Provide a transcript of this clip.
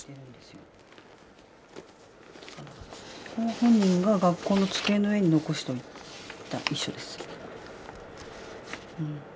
本人が学校の机の上に残しといた遺書です。